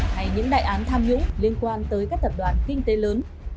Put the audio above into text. hay những đại án tham nhũng liên quan tới các tập đoàn kinh tế lớn